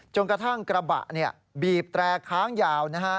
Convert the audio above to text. กระทั่งกระบะบีบแตรค้างยาวนะฮะ